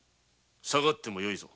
退がってもよいぞ。